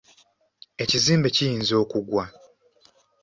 Ekizimbe kiyinza okugwa .